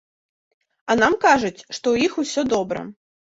А нам кажуць, што ў іх усё добра.